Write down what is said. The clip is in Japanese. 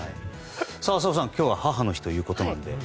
浅尾さん、今日は母の日ということで。